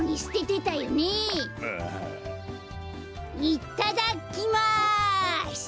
いっただっきます！